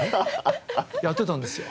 やってたんですよ。